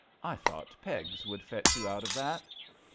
I thought pegs would fetch you out of that.